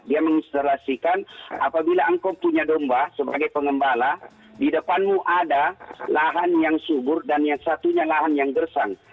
dia menginstorasikan apabila engkau punya domba sebagai pengembala di depanmu ada lahan yang subur dan yang satunya lahan yang gersang